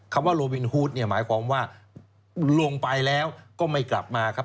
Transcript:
คำว่าโลวินฮูดเนี่ยหมายความว่าลงไปแล้วก็ไม่กลับมาครับ